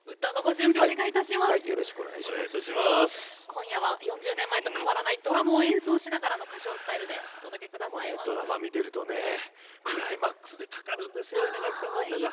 今夜は４０年前と変わらないドラムを演奏しながらの歌唱スタイルでドラマを見ているとクライマックスでかかるんです稲垣さんの歌が。